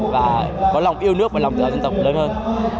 và có lòng yêu nước và lòng tự hào dân tộc lớn hơn